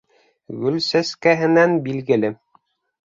Гөл сәскәһенән билгеле.